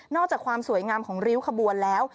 อกจากความสวยงามของริ้วขบวนแล้ว